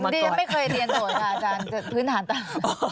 เรียนไม่เคยเรียนโสดค่ะอาจารย์พื้นฐานต่าง